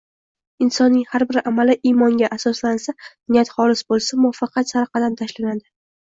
Insonning har bir amali imonga asoslansa, niyat xolis bo‘lsa, muvaffaqiyat sari qadam tashlanadi.